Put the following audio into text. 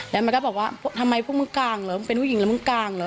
แล้วมันก็บอกว่าทำไมพวกมึงกลางเหรอมึงเป็นผู้หญิงแล้วมึงกลางเหรอ